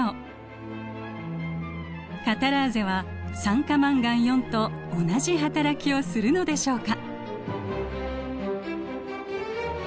カタラーゼは酸化マンガンと同じはたらきをするのでしょうか？